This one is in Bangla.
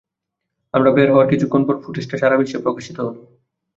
আমরা বের হওয়ার কিছুক্ষণ পর, ফুটেজটা সারা বিশ্বে প্রকাশিত হল।